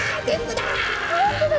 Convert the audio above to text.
本当だ